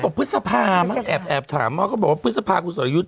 เขาบอกพฤษภาแอบถามแล้วก็บอกว่าพฤษภาคุณสอยุทธ์